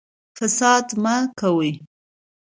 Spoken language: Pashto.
فساد مه کوئ